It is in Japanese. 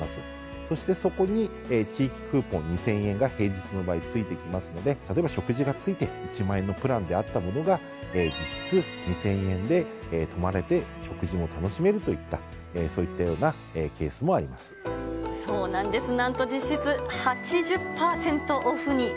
そして、そこに地域クーポン２０００円が平日の場合ついてきますので、例えば、食事がついて１万円のプランであったものが、実質、２０００円で泊まれて食事も楽しめるといった、そういったようなケースもありまそうなんです、なんと実質８０％オフに。